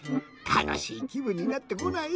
たのしいきぶんになってこない？